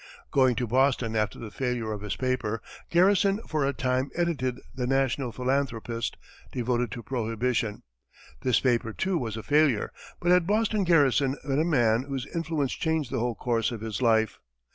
Going to Boston after the failure of his paper, Garrison for a time edited the "National Philanthropist," devoted to prohibition. This paper, too, was a failure, but at Boston Garrison met a man whose influence changed the whole course of his life.